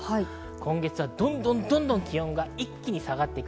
今月はどんどん気温が一気に下がっていく。